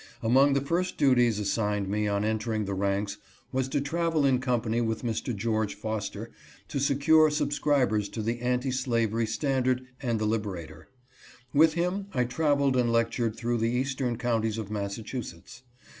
Among the first duties assigned me on entering the ranks was to travel in company with Mr. George Foster to secure subscribers to the Anti Slavery Standard and the Liberator. With him I traveled and lectured through the eastern counties of Massachusetts.